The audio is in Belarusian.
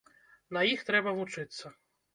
На іх трэба вучыцца.